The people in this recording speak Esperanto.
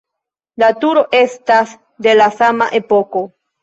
La turo estas de la sama epoko.